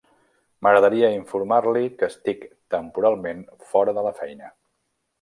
M'agradaria informar-li que estic temporalment fora de la feina.